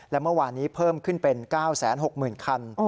และเมื่อวานนี้เพิ่มขึ้นเป็น๙๖๐๐๐คัน